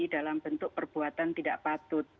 dalam bentuk perbuatan tidak patut